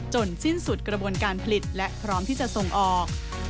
สิ้นสุดกระบวนการผลิตและพร้อมที่จะส่งออก